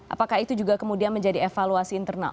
apakah itu juga kemudian menjadi evaluasi internal